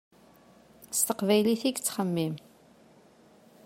S teqbaylit i yettxemmim.